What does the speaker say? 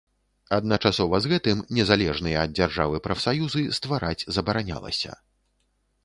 Адначасова з гэтым, незалежныя ад дзяржавы прафсаюзы ствараць забаранялася.